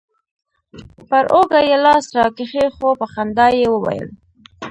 پر اوږه يې لاس راكښېښوو په خندا يې وويل.